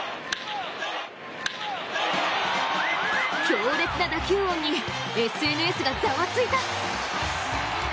強烈な打球音にＳＮＳがざわついた。